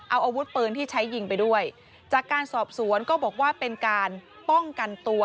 เอาอาวุธปืนที่ใช้ยิงไปด้วยจากการสอบสวนก็บอกว่าเป็นการป้องกันตัว